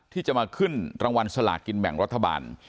ที่จะมาขึ้นรางวัลสลากินแบ่งรัฐบาล